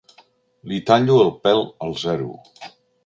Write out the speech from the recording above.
Li tallo el pèl al zero.